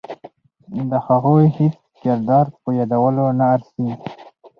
د هغوی هیڅ کردار په یادولو نه ارزي.